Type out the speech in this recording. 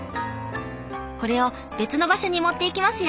これを別の場所に持っていきますよ。